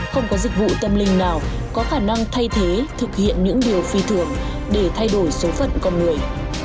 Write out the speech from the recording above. không có dịch vụ tâm linh nào có khả năng thay thế thực hiện những điều phi thường để thay đổi số phận con người